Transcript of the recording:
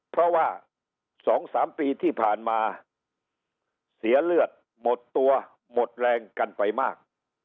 เพราะว่า๒๓ปีที่ผ่านมาเสียเลือดหมดตัวหมดแรงกันไปมาก